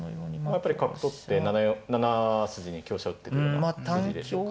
やっぱり角取って７四７筋に香車打ってくるのが筋でしょうか。